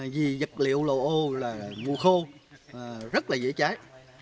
vì dịch liệu lộ ô là mù khô rất là dễ cháy